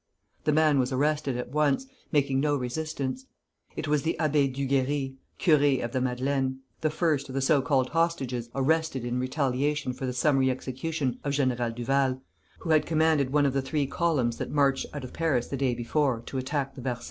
The man was arrested at once, making no resistance. It was the Abbé Duguerry, curé of the Madeleine, the first of the so called hostages arrested in retaliation for the summary execution of General Duval, who had commanded one of the three columns that marched out of Paris the day before to attack the Versaillais.